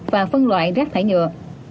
và phân loại rác thải nhựa